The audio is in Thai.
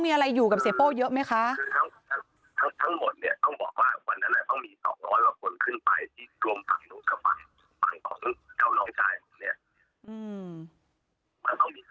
มีอะไรอยู่กับเสียโป้ครับ